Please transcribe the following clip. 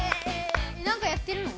何かやってるの？